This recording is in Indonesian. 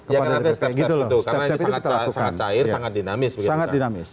ya karena ini sangat cair sangat dinamis